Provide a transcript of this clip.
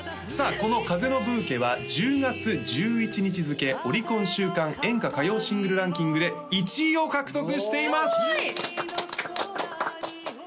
この「風のブーケ」は１０月１１日付オリコン週間演歌・歌謡シングルランキングで１位を獲得していますすごい！